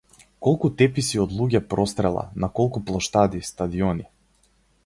Колку теписи од луѓе прострела, на колку плоштади, стадиони.